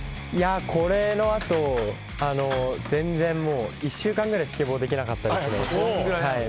これのあと全然、１週間ぐらいスケボーできなかったんですけど。